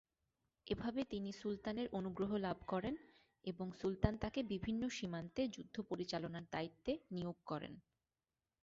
এভাবে তিনি সুলতানের অনুগ্রহ লাভ করেন এবং সুলতান তাকে বিভিন্ন সীমান্তে যুদ্ধ পরিচালনার দায়িত্বে নিয়োগ করেন।